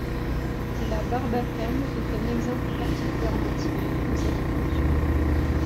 La barbacane est un exemple particulièrement typique de cette fonction.